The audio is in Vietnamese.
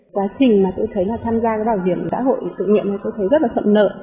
quá trình mà tôi thấy là tham gia cái bảo hiểm xã hội tự nguyện này tôi thấy rất là thuận nợ